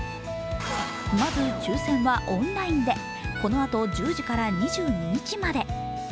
まず、抽選はオンラインで、このあと１０時から２２日まで。